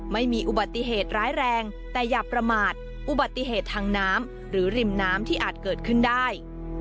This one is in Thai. ไม่มีอุบัติเหตุร้ายแรงแต่อย่าประมาทอุบัติเหตุทางน้ำหรือริมน้ำที่อาจเกิดขึ้นได้